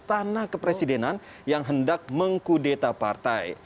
tanah kepresidenan yang hendak mengkudeta partai